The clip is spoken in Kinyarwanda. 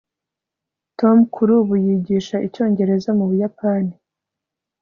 tom kuri ubu yigisha icyongereza mu buyapani